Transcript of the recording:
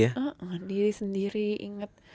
ingat diri sendiri inget